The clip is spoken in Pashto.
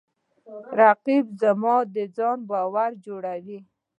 رقیب زما د ځان باور جوړوي